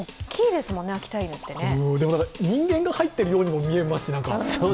でも人間が入ってるようにも見えますし。